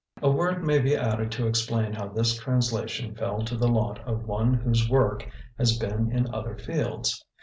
A word may be added to explain how this translation fell to the lot of one whose work has been in other fields.